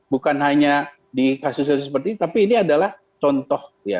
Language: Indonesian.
bukan hanya di kasus kasus seperti ini tapi ini adalah contoh ya